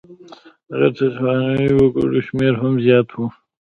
غیر تسوانایي وګړو شمېر هم زیات و.